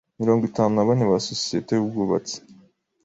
mirongo itanu nabane ba Sosiyete y’Ubwubatsi